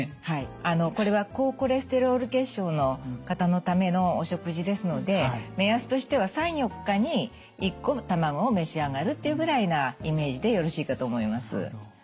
はいこれは高コレステロール血症の方のためのお食事ですので目安としては３４日に１個卵を召し上がるっていうぐらいなイメージでよろしいかと思います。